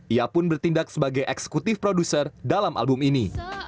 ia pun bertindak sebagai eksekutif produser dalam album ini